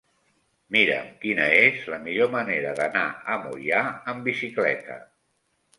Mira'm quina és la millor manera d'anar a Moià amb bicicleta.